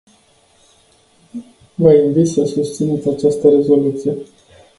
Vă invit să susțineți această rezoluție.